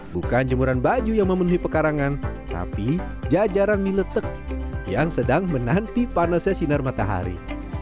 bukan jemuran baju yang memenuhi pekarangan tapi jajaran mie letek yang sedang menanti panasnya sinar matahari